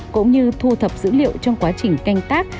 cũng như thu thập dữ liệu trong quá trình canh tác